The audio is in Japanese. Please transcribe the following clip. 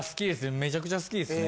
めちゃくちゃ好きですね。